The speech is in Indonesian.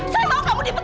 saya mau kamu dipecat